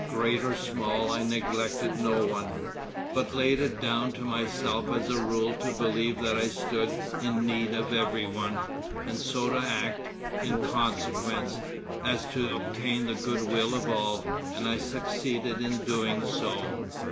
Great or small I neglected no one, but laid it down to myself as a rule to believe that I stood in need of every one, and so to act, in consequence, as to obtain the good will of all, and I succeeded in doing so."